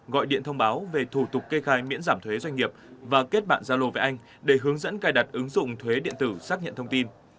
gọi điện thông báo về thủ tục kê khai miễn giảm thuế doanh nghiệp và kết bạn gia lô với anh để hướng dẫn cài đặt ứng dụng thuế điện tử xác nhận thông tin